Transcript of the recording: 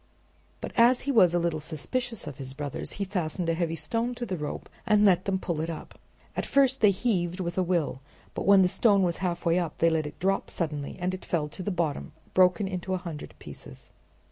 But as he was a little suspicious of his brothers, he fastened a heavy stone on to the rope and let them pull it up. At first they heaved with a will, but when the stone was halfway up they let it drop suddenly, and it fell to the bottom broken into a hundred pieces.